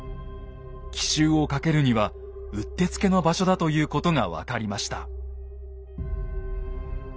奇襲をかけるにはうってつけの場所だということが分かりました。